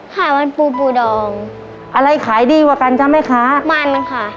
ค่ะมันปูปูดองอะไรขายดีกว่ากันจ้ะแม่ค้ามันค่ะ